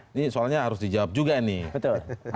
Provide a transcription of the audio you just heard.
ini soalnya harus dijawab juga nih